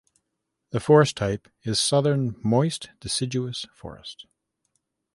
The forest type is Southern moist deciduous forest.